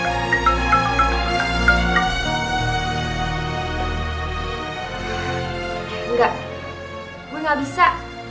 tidak gue gak bisa